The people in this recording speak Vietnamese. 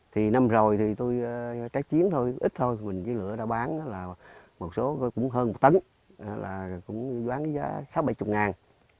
thì năm rồi thì tôi trái chiến thôi ít thôi mình chỉ lựa ra bán là một số cũng hơn một tấn là cũng đoán giá sáu bảy chục ngàn